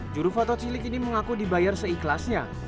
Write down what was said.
juru foto cilik ini mengaku dibayar seikhlasnya